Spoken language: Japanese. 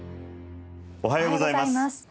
おはようございます。